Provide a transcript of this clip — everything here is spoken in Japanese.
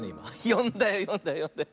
よんだよよんだよよんだよ。